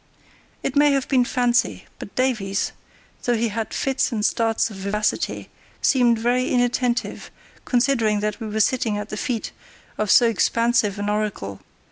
It may have been fancy, but Davies, though he had fits and starts of vivacity, seemed very inattentive, considering that we were sitting at the feet of so expansive an oracle.